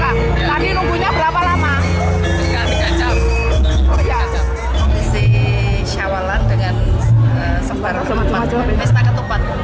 hai lagi rumpunya berapa lama sejak tiga jam si sawalan dengan sempat sempat